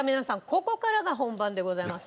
ここからが本番でございますよ。